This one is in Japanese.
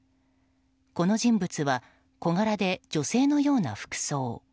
この人物は小柄で女性のような服装。